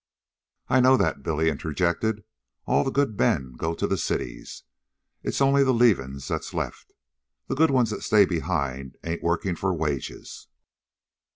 "I know that," Billy interjected. "All the good men go to the cities. It's only the leavin's that's left. The good ones that stay behind ain't workin' for wages."